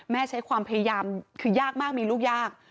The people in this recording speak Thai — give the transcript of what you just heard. ใช้ความพยายามคือยากมากมีลูกยาก